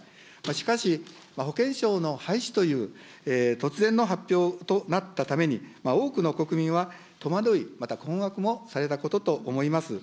しかし、保険証の廃止という突然の発表となったために、多くの国民は戸惑い、また困惑もされたことと思います。